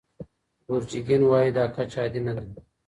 بورجیګین وايي دا کچه عادي نه ده.